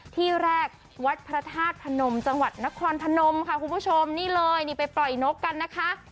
ที่แรกวัดพระธาตุพนมจังหวัดนครพนมค่ะคุณผู้ชมนี่เลยนี่ไปปล่อยนกกันนะคะ